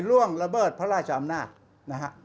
ล่วงระเบิดพระราชอำนาจนะฮะ